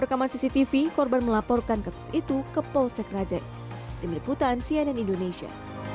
rekaman cctv korban melaporkan kasus itu ke polsek rajek tim liputan cnn indonesia